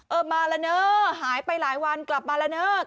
เออมาแล้วเนอะหายไปหลายวันกลับมาแล้วเนอะ